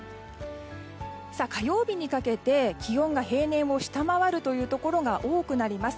火曜日にかけて気温が平年を下回るところが多くなります。